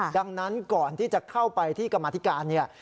ดังนั้นก่อนที่จะเข้าไปที่กรรมาธิการเนี่ย